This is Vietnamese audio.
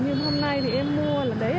như hôm nay em mua